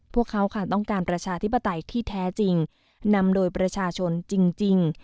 พวกเขาค่ะต้องการประชาธิปไตยที่แท้จริงนำโดยประชาชนจริง